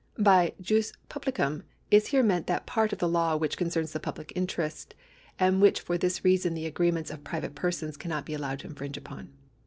By jus publicum is here meant that part of the law which concerns the public interest, and which for this reason the agreements of private persons cannot be allowed to infringe upon.